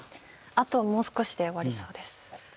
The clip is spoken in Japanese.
あともう少しで終わりそうです